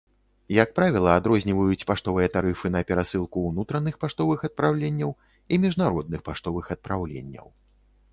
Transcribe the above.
Як правіла, адрозніваюць паштовыя тарыфы на перасылку ўнутраных паштовых адпраўленняў і міжнародных паштовых адпраўленняў.